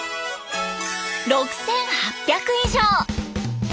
６，８００以上！